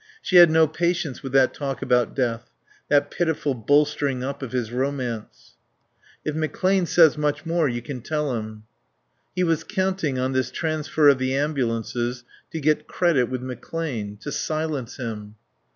She had no patience with that talk about death; that pitiful bolstering up of his romance. "If McClane says much more you can tell him." He was counting on this transfer of the ambulances to get credit with McClane; to silence him.